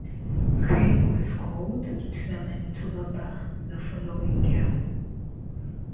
Craig was called to the Manitoba bar the following year.